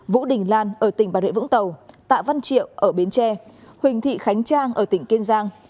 vũ đình lan ở tỉnh bà rệ vũng tàu tạ văn triệu ở bến tre huỳnh thị khánh trang ở tỉnh kiên giang